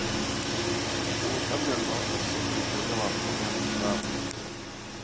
Ar skolas darbiem daudz maz sekmīgi tiek galā tikai viens no dēliem.